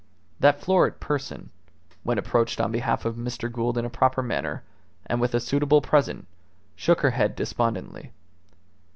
That florid person, when approached on behalf of Mr. Gould in a proper manner, and with a suitable present, shook her head despondently.